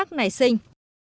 như thế này xinh